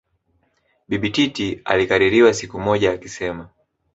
Bibi Titi alikaririwa siku moja akisema